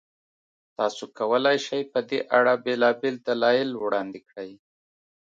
تاسو کولای شئ، په دې اړه بېلابېل دلایل وړاندې کړئ.